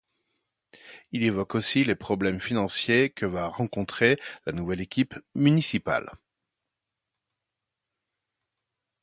Il évoque aussi les problèmes financiers que va rencontrer la nouvelle équipe municipale.